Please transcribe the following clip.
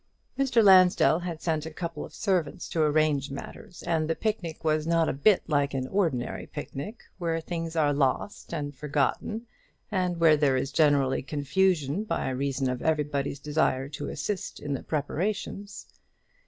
Mr. Lansdell had sent a couple of servants to arrange matters; and the picnic was not a bit like an ordinary picnic, where things are lost and forgotten, and where there is generally confusion by reason of everybody's desire to assist in the preparations.